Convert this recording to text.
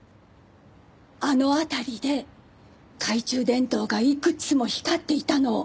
あの辺りで懐中電灯がいくつも光っていたのを。